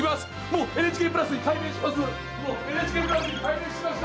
もうＮＨＫプラスに改名しました！